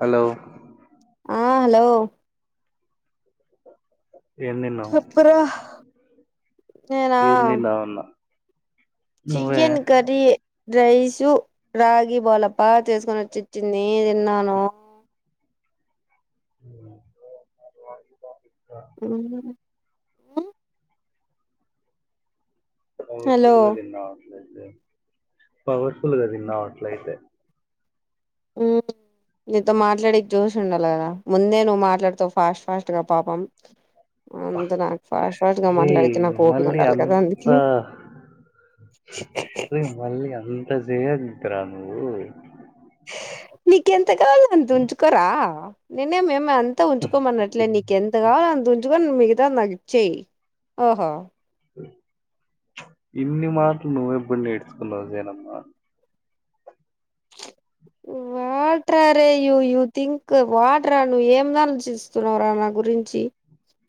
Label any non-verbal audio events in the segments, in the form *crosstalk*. Hello ఆ hello ఏం తిన్నావ్ చేప్పురా నేనా ఏం తిన్నావన్న నువ్వే చికెన్ కరీ రైసు రాగి బోలప్ప చేసుకోనిచ్చిచ్చింది నేనే తిన్నాను *unintelligible* హ్మ్ హలో పవర్ఫుల్గా తిన్నావట్లయితే పవర్ఫుల్గా తిన్నావ్ అట్లయితే హ్మ్మ్ నీతో మాట్లాడెక్ జొష్ ఉండాలి కదా ముందే నువ్వు మాట్లాడుతావ్ ఫాస్ట్ ఫాస్ట్ గా పాపం అంత నాకు ఫాస్ట్ ఫాస్ట్ గా రే మాట్లాడితే నాకు ఓపిగా మళ్ళీ ఉండాలి కదా అంత అందుకే రే మళ్ళీ అంత చేయద్దరా నువ్వు నీకెంత కావాలో అంత ఉంచుకోరా నేనేమే అంత ఉంచుకోమనట్లే నీక్ ఎంత కావాలో అంతా ఉం ఉంచుకొని మిగతాది నాకిచ్చేయి ఓహా ఇన్ని మాట్లు నువ్వు ఎప్పుడు నేడ్చుకున్నావ్ జేనమ్మా వాట రా రే యూ థింక్ వాట్రా నువ్ ఏం రా ఆలోచిస్తున్నావరా నా గురించి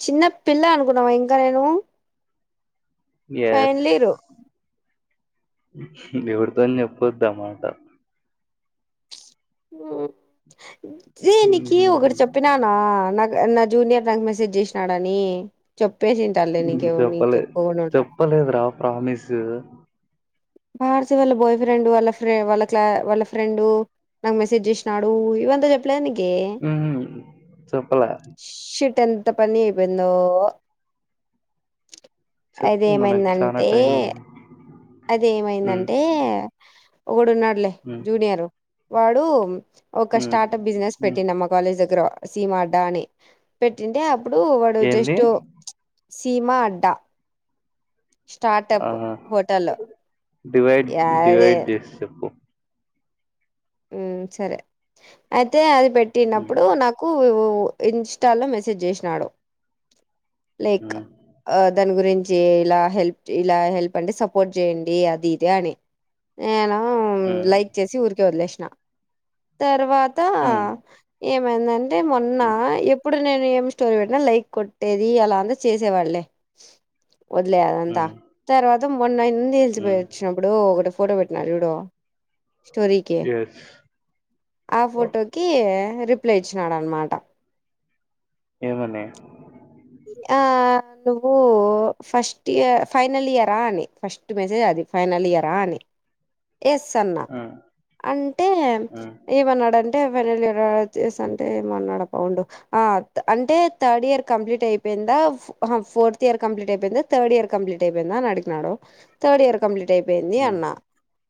చిన్న పిల్ల అనుకున్నావా ఇంకా నేను ఫైనల్ ఇయరూ ఎవడితోన్ చెప్పొద్ద్ ఆ మాట రేయి నీకి ఉహు. ఒకటి చెప్పినాన నాక్ నా జూనియర్ నాక్ మెసేజ్ చేసినాడని చెప్ ప్పేసింటానులే నీకు ఏవో చెప్పలే చెప్పకుండా ఉంటానా చెప్పలేదురా ప్రామిస్ ఆర్సీ వాళ్ళ బాయ్ ఫ్రెండ్ వాళ్ళ ఫ్ర వాళ్ళ క్లా వాళ్ళ ఫ్రెండు నాకు మెసేజ్ చేసినాడు ఇవంతా చెప్పలేదా నిక్ ఆ చేప్పలే టెన్ంత పని అపోయిందో అయితే చెప్పు మనకి చానా ఏమైందంటే టైం ఉంది అది ఉమ్, ఏమైందంటే ఒకడు ఉన్నాడులే ఉమ్. జూనియరు వాడు ఒక హ్మ్ స్టార్టప్ బిజినెస్ హ్మ్ పెట్టిండా మా కాలేజ్ దగ్గర సీమా అడ్డ అని పెట్టింటే అప్పుడు వాడు ఏంది జస్ట్ సీమా అడ్డ స్టార్ట్ ఆ అప్ వట్ డివైడ్ డివైడ్ చేసి చెప్పు ఉ సరే అయితే అది హ్మ్ పెట్టినప్పుడు నాకు కు ఇన్స్టాలో మెసేజ్ చేసినాడు లైక్ హ్మ్ దాని గురిం చి ఇలా హెల్ప్ ఇలా హెల్ప్ అంటే సపోర్ట్ చేయండి అది ఇదని నేను ఆ హ్మ్ లైక్ చేసి ఊరికే వదిలేసిన తర్వాత హ్మ్ ఏమైందంటే మొన్న హ్మ్ ఎప్పుడ్ ప్పుడు నేను ఏమి స్టోరీ పెట్నా లైక్ కొట్టేది అలా అంత చేసే వాడ్లే వదిలేదంతా హ్మ్ తర్వాత మొన్న ఇంది హిల్స్ పోయి హ్మ్ వచ్చినప్పుడు ఒకటి ఫోటో పెట్టిన చూడు స్టోరీకి ఎస్ ఆ ఫోటోకి రిప్లై ఇచ్చినాడు అనమాట ఏమని ఆ నువ్వు ఫస్ట్ ఇయ ఫైనల్ ఇయర్ అని ఫస్ట్ మెసేజ్ అది ఫైనల్ ఇయరా అని ఎస్ అన్నా హ్మ్ అంటే హ్మ్ ఏమన్నాడు అన్ *unintelligible* ఫైనల్ అంటే ఏమన్నాడు అంటే థర్డ్ ఇయర్ కంప్లీ అయిపోయిందా ఫోర్త్ ఇయర్ కంప్లీట్ అయిపోయిందాథర్డ్ ఇయర్ కంప్లీట్ అయిపోయింద అడిగినాడు థర్డ్ ఇయర్ కంప్లీట్అయి యింది హ్మ్ అన్నా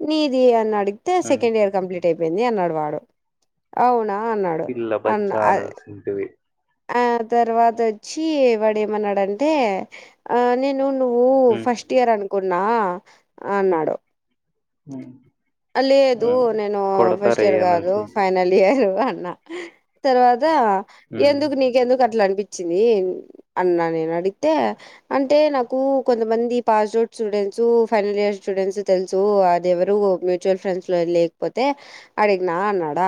నీది అని అడిగితే హ్మ్ సెకండ్ ఇయర్ కంప్లీట్ అయిపోయింది అన్నాడు *unintelligible* అవునా అన్నాడు పిల్ల అన్న బచ్చా అనాల్సింటివి ఆ తర్వాత వచ్చి వాడు ఏమన్నాడంటే ఆ నేను నేను నువ్వు హ్మ్ ఫస్ట్ ఇయర్ అనుకున్నా అన్నాడు హు అ లేదు నేను ఫస్ట్ ఇయర్ కాదు అనాల్సింటివి ఫైనల్ ఇయర్ అన్న తర్వాత హ్మ్ ఎందుకు నీకెందుకు అట్ల అనిపి చ్చింది అన్నా నేను అడిగితే అంటే నాకు కొంతమంది password student so final year students తెలుసు అది ఎవరు మీ మ్యూచువల్ ఫ్రెండ్స్ లేకపోతే అడిగిన అన్నాడ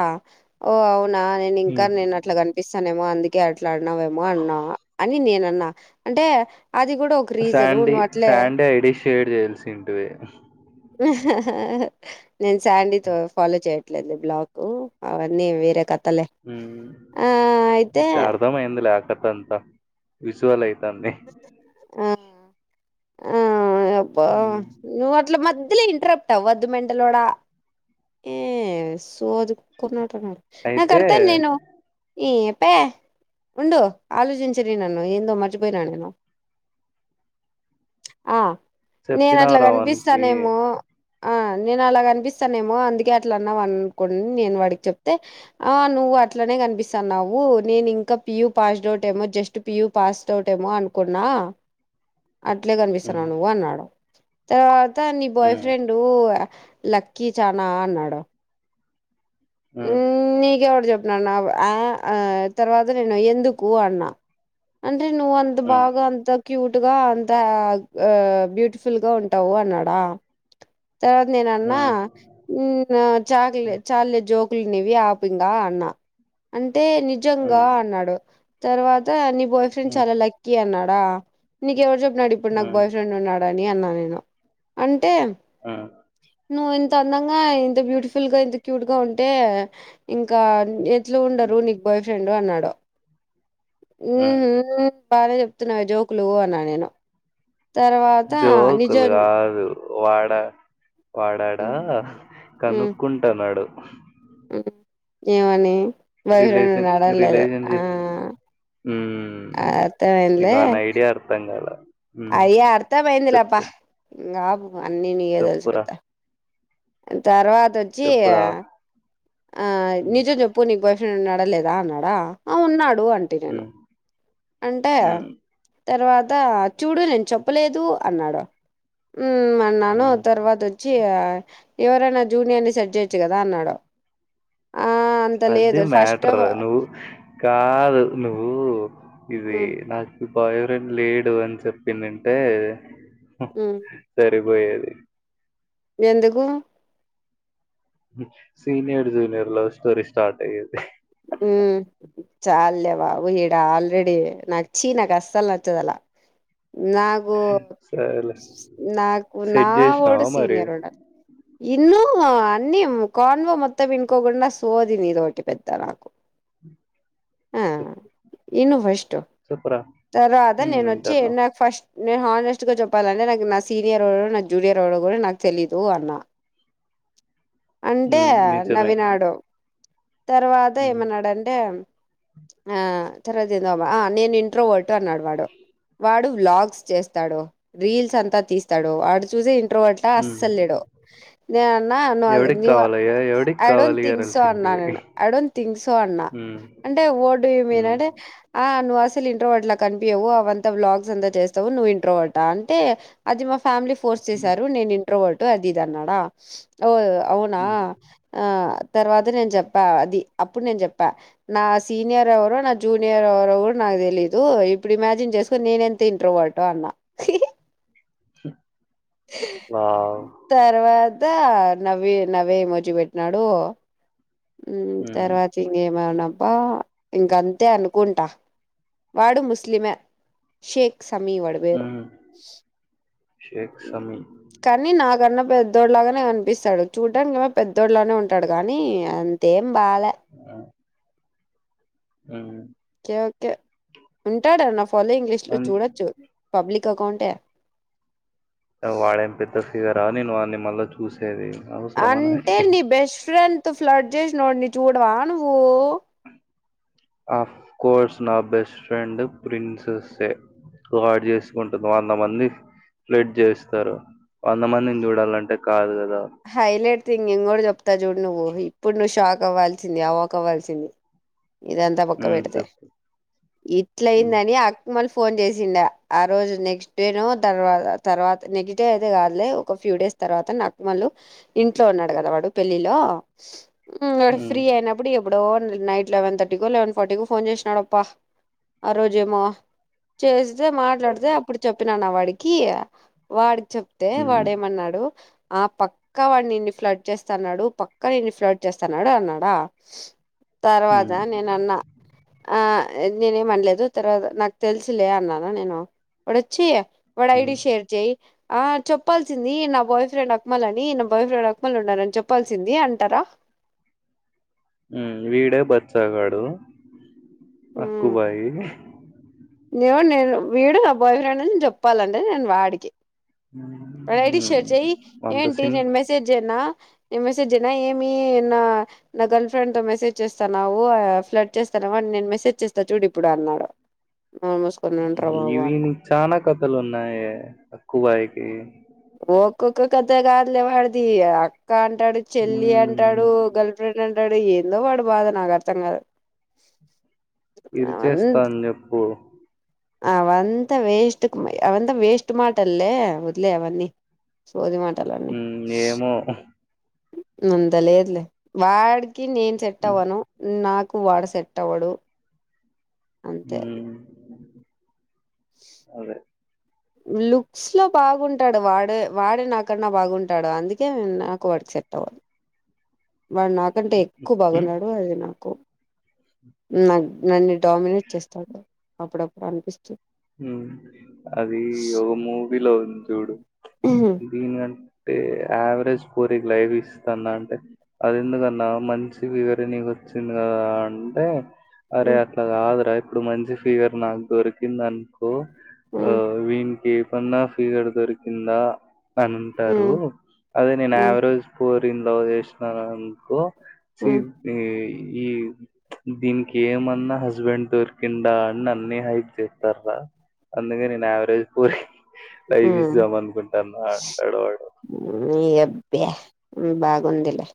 *unintelligible* నేను ఇంకా హ్మ్ నేను అట్లా కనిపిస్తాననేమో అంది అట్లా అన్నావ్ ఏమో అన్నా అని నేను అన్నా అంటే అది కూడా ఒక రీజను శాండీ నువ్వు అట్లే శాండీ ఐడి షేర్ చేయల్సింటివి నేను శాండీతో ఫాలో చేయట్లేదు బ్లాక్ అవన్నీ వేరే క ఉం అర్థమయ్యిందిలే అంత విజువల్ అయితంది ఓ యాబ్బ అ హ్మ్ నవ్వు అట్ల మధ్యలో ఇంటరప్ట్ అవ్వద్దు మెంటలోడ ఏ సోది *unintelligible* నేను అయితే కడతాను నేను ఏ పే ఉండు ఆలోచించనీ నన్ను ఏందో మర్చిపోయినాను ఏమో ఆ నేను అట్ల చెప్పినావురా వానికి కనిపిస్తానేమో ఆ నేను అల కనిపిస్ నేమో అందుకే అట్లా అన్నావు అనుకోని నేను వాడికి చెప్తే ఆ నువ్వు అట్లనే కనిపిస్తన్నావు నేను ఇంకా పియూ పాస్డ్ డవుట్ ఏమో జస్ట్ పియుూ పాస్డ్ డవుట్ ఏమో అనుకున్నా *inaudible* అట్లే ఉమ్, కనిపిస్తున్నావు నువ్వు అన్నాడు తర్వాత నీ బోయ్ ఉమ్, ఫ్రెండ్ ల కి చాన అన్నాడు ఉమ్, మీకేవరు *unintelligible* *unintelligible* అ ఆ తర్వాత నేను ఎందుకు అన్న నువ్వు అంత ఉమ్, బాగ అంత క్యూ ట్ అంత అ బ్యూటీఫుల్గా ఉంటావు అన్నాడ తర్వాత నేన అన్నా ఉమ్, చాలే ఉమ్, చాలే జో కులునివి ఆపింగ అన్నా అంటే నిజంగా ఉమ్, అన్నాడు తర్వాత నీ బాయ్ ఫ్రెండ్ ఉమ్, చాల లక్కీ అన్నాడా నీకి ఎవరు చెప్ *unintelligible* ఇప్పుడు నాకు ఉమ్, బాయ్ ఫ్రెండ్ ఉన్నాడని అన్నా నేను అంటే అ నువ్వు ఇంత అందంగా ఇంత బ్యూటిఫుల్ గా ఇంత క్యూట్ గా ఉంటే ఇంక ఎట్లూ ఉండరు నీకు బాయ్ ఫ్రెండ్ అన్నాడు ఉ ఊ బాగానే చెప్తున్నావే జోకులు అన్నా నేను తర్వాత జోకులు నిజం గాదు వాడా వాడాడా ఉ కనుకుంటన్నాడు ఏమని బాయిఫ్రెండ్ రిలేషన్ ఉన్నాడా లేడా ఆ రిలేషన్షిప్ ఆ అర్థం నీకు అయిందిలే ఆ ఐడియా అర్థం కాల ఉమ్, అయ్యో అర్థ అయిందిలే అప్పా, చెప్పు ఇంగా ఆపు అన్ని నీకే తెలుసు చెప్పురా పెద్ద తర్వాత వచ్చి చెప్పురా ఆ ఉమ్, నిజం చెప్పు నీకు బాయ్ ఫ్ ఫ్రెండ్ ఉన్నాడా లేదా అన్నాడు ఆ ఉన్నాడు అంటి నేను ఉమ్, అంటే ఉమ్, తర్వాత చూడు నేను చెప్పలేదు అన్నాడు ఉమ్ అన్నాను ఉమ్. తర్వాత వచ్చి చి ఎవరైనా జూనియర్ ని సెట్ చేయొచ్చు కదా అన్నాడు. ఆ అంత అది లేదు ఫస్ట్ మ్యాటర్ ఆఫ్ నువ్ కాదు నువ్వు ఇది నాకు బాయ్ ఫ్రెండ్ లేడు అని చెప్పిందంటే హు సరిపోయేది ఎందుకు senior junior love story start అయింది. ఉమ్ చాల్లే బాబు ఈడ ఆల్రెడీ నాకు చీ నాకు అసలు నచ్చదలా నాగు సరేలే. నాకు నా సెట్ జేసినావా వోడు మరి? సీనియర్ ఉండాలి ఇన్నావా అన్ని కాన్వో మొత్తం వినుకోకుండా సోది నీదిటి పెద్ద నా ఆ చెప్పు. ఇను ఫస్టు, చెప్పురా. తర్వాత హ్మ్. నేనొచ్చి వింటన్నా. ఇన్ ఫస్ట్ నేను హానెస్ట్గా చెప్పాలంటే నాకు నా సీనియర్ ఎవడో, నా జూనియర్ ఎవడో కూడా నాకు తెలీదు అన్న అంటే హ్మ్. నిజమే. నవ్వినాడు, తర్వాత హ్మ్. ఏమన్నాడంటే ఆ తర్వాతేందబ్బా నేను ఇంట్రోవర్ట్ అన్నాడు వాడు వాడు వ్లాగ్స్ చేస్తాడు, రీల్స్ అంతా తీస్తాడు, వాడు చూసే ఇంట్రోవర్టా హ్మ్. అస్సలు లేడు, నేనన్నా ను ఎవడికి కావాలయ్యా? ఎవడికి ఐ డోం కావాలి థింక్ సో అన్నా అనాల్సింటివి. అన్నడు ఐ డోంట్ థింక్ సో అన్న, హ్మ్. అంటే వాట్ డూ యు మీన్ హ్మ్. అని ఆ నువ్వసలు ఇంట్రోవర్టలా కనిపియవు అవంతా వ్లాగ్స్ అంతా చేస్తావు నువ్వు ఇంట్రోవార్టా అంటే, అది మా ఫ్యామిలీ ఫోర్స్ చేసారు నేను ఇంట్రోవర్టు అది ఇది అన్నాడా ఓ అవునా హ్మ్. ఆ తర్వాత నేను చెప్పా అది అప్పుడు నేను చెప్పా నా సీనియర్ ఎవరో నా జూనియర్ ఎవరో కూడా నాకు తెలీదు, ఇప్పుడు ఇమాజిన్ చే చేసుకొని నేనెంత ఇంట్రోవర్టో అన్నా స తర్వా తా నవ్వే నవ్వే ఎమోజీ పెట్టినాడు. హ్మ్. తర్వాత ఇంగేమన్న ఆ ఇంకంతే అనుకుంటా వాడు ముస్లిమే, షేక్ సమీ వాడి పేరు హ్మ్. షేక్ సమీ కన్నా పెద్దోడు లాగనే కనిపిస్తడు చూడ్డానికేమో పెద్దోడులాగనే ఉంటాడు గానీ అంతే బాలే ఉమ్. ఓకే ఉంటాడా నా ఫాలోఇంగ్ లిస్టు లో అంత్ చూడొచ్చు పబ్లిక్ కకౌంటె వాడేం పెద్ద ఫిగరా నేను వాన్ని మళ్ళా చూసేది అవసరమా నాకి అంటే నీ బెస్ట్ ఫ్రెండ్ తో ఫ్లడ్ చేసినోడుని చూడవా నువ్వు ఆఫ్ కోర్స్ నా బెస్ట్ ఫ్రెండ్ ప్రిన్సేసే వాడు చేసుకుంటుంది వంద మంది ఫ్లేట్ జేస్తారు వంద మందిని చూడాలంటే కాదు కదా హైలైట్ థింగ్ ఇంగోటి చెప్తా చూడు నువ్వు ఇప్పుడు నువ్వు షాక్ కవ్వల్సింది అవ్వకవాల్సింది ఇదంతా పక్క ఉమ్ పెడితే చెప్పు ఉమ్ ఇట్లయిందని అకు మల్ ఫోన్ చేసిండ ఆ రోజు నెక్స్ట్ డే నో తర్వా తర్వాత నెక్స్ట్ డే అయితే కాదులే ఒక ఫ్యూ డేస్ తర్వాత నాకు వాళ్ళు ఇంట్లో ఉన్నాడు కదా వాడు పెళ్ళిలో వాడు ఉమ్ ఫ్రీ అయినప్పుడు ఎప్పుడో నైట్ లెవెన్ థర్టీ కో లెవెన్ ఫార్టీ కో ఫోన్ చేసినడప్ప ఆ రోజేమో చేస్తే మాట్లాడితే అప్పుడు చెప్పినాన్న వాడికి వాడి చెప్తే ఉమ్ వాడేమన్నాడు ఆ పక్క వాడినిన్ని ఫ్లడ్ చేస్తన్నాడు పక్క నిన్ని ఫ్లడ్ చేస్తన్నాడు అన్నాడా తర్వాత ఉమ్ నేనన్నా ఆ నేనేమనలేదు తర్వాత నాకు తెలుసులే అన్నాన నేను వాడొచ్చి వాడి ఐడి ఉమ్ షేర్ చెయి ఆ చెప్పాల్సింది నా బాయ్ ఫ్రెండ్ ఉక్మల్ అని నా బాయ్ ఫ్రెండ్ రక్మల్ ఉండరని చెప్పాల్సింది అంటారా వీడే బచ్చగాడు అక్కుబాయి నియో నేను వీడు నా బాయ్ ఫ్రెండ్ అని చెప్పాలంటే నేను వాడికి ఉమ్ వాడి ఐడీ ఉమ్. షేర్ చేయి అంత ఏంటి సిన్ నేను మెసేజ్ చేయన్న నేను మెసేజ్నా ఏమి నా నా గర్ల్ ఫ్రెండ్ తో మెసేజ్ చేస్తాన్నావు ఫ్లట్ చేస్తా నావా నేను మెసేజ్ చేస్తా చూడు ఇప్పుడు అన్నాడు నోరు మూసుకొని ఉండ్రా బాబు ఇవి అన్న నీకి చనా కథలు ఉన్నాయే అక్కుబాయికి ఒక్కొక్క కత కాదులే వాడిది అక్క అంటాడు చెల్లి మ్మ్ అంటాడు గర్ల్ ఫ్రెండ్ అం టాడు ఏందో వాడు బాధ నాకు అర్థం కాదు అవన్ ఇరిచేస్తా అని చెప్పు అవంతా వేస్ట్ అవంతా వేస్ట్ మాటల్లే వద్లే అవన్నీ సోది మా ఏమో అంతా లేదులే వాడికి నేను సెట్ అవ్వను నా కు వాడు సెట్టవ్వడు అంతే అది మ్మ్ అదే లుక్స్ లో బాగుంటాడు వాడే వాడే నాకన్నా బాగుంటాడు అందుకే నాకు వాడికి సెట్టా *inaudible* వాడు నాకంటే ఎక్కు బాగున్నాడు అది నాకు నాకు నన్నీ డామినేట్ చేస్తాడు అప్పుడప్పుడు అనిపిస్తూ అది ఒక మూవీలో ఉంది చూడు దీనిగన్ అంటే యావరేజ్ పోరికి లైఫ్ ఇస్తాన్న అంటే అది ఎందుకన్నా మంచి ఫిగరె నీకు వచ్చింది కదా అంటే అరే అట్లా కాదురా ఇప్పుడు మంచి ఫిగర్ నాకు దొరికిందన్ ఓ ఆ వీన్కీ ఏపన్నా ఫీగర్ దొరికిందా. అని అంటారూ అదే నేను యావరేజ్ పోరిణ్ లవ్ చేశినాననుకో ఛీప్ *unintelligible* ఈ దీనికి ఏమన్నా హస్బెండ్ దొరికిండా అని నన్నే హై అందుకే నేను యావరేజ్ పోరి లైఫ్ ఇజ్దాం అనుకుంటానా అంటాడు వాడు. భ్యా ఉం బాగుందిలే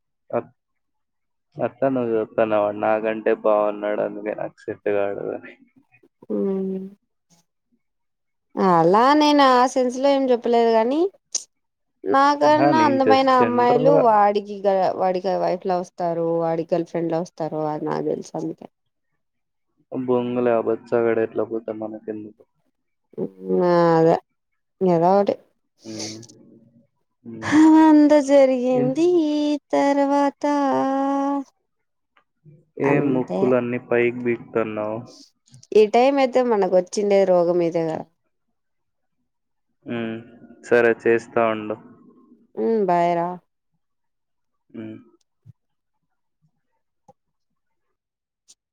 *inaudible* అట్టా నువ్వు చూతానవా నాకంటే బాగున్నాడు అందుకే నాకు సెట్టుగాడు అని. ఊ అలా నేను ఆ సెన్స్ లో ఏం చెప్పలేదు గాని ప్చ్ నా ఆహా కన్నా నేను అందమైన జస్ట్ జనరల్ అమ్మాయిలు గా వాడికీ. *unintelligible* వాడికి ఆ వైఫ్ లా వస్తారో వాడికి గర్ల్ ఫ్రెండ్ లా వస్తారో అది నాక్ తెల్సు అందుకే. బొంగులే ఆ బచ్చాగాడు ఎట్లా పోతె మనకెందుకు. ఆ అదే ఇగ ఏదో ఒకటి. ఉమ్, ఉమ్. హా అంత ఏం జరిగింది ఈ తర్ తర్వాతా ఏం ముక్కులన్నీ పైకి పీక్తన్నావు. ఈ టైం అయితే మనకు వచ్చిండే రోగం ఇదే గదా. ఊ సరే చేస్తా ఉండు. ఊ బాయిరా ఉ